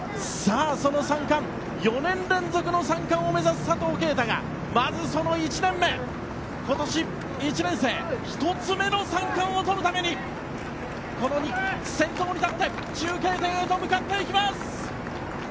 その３冠、４年連続の３冠を目指す佐藤圭汰がまずその１年目今年１年生１つ目の３冠をとるためにこの２区、先頭に立って中継点へと向かっていきます。